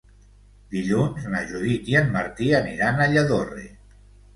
Dilluns na Judit i en Martí aniran a Lladorre.